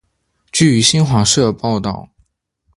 据新华社报道